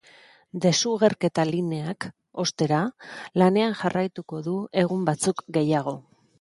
Desugerketa lineak, ostera, lanean jarraituko du egun batzuk gehiago.